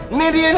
ini dia nih